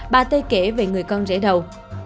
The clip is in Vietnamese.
bà tê kể về người con rẻ đầu